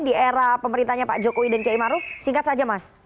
di era pemerintahnya pak jokowi dan kiai maruf singkat saja mas